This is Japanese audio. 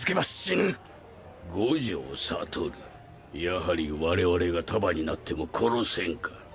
やはり我々が束になっても殺せんか。